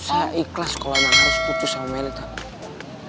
saya ikhlas kalau emang harus kucu sama meli tante